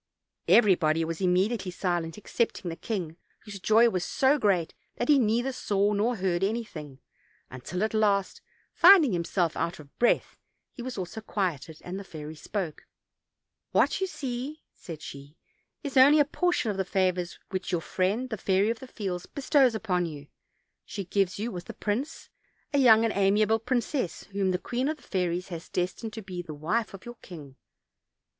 Everybody was immediately silent, excepting the king, whose joy was so great that he neither saw nor heard anything, until at last, finding him self out of breath, he also was quieted, and the fairy spoke: "What you see," said she, "is only a portion of the favors which your friend, the Fairy of the Fields, be stows upon you: she gives you, with the prince, a young and amiable princess, whom the queen of the fairies has destined to be the wife of your king.